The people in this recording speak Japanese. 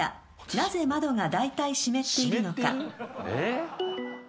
なぜ窓がだいたい湿っているのか？」］